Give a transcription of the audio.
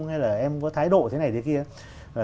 hay là em có thái độ thế này thế kia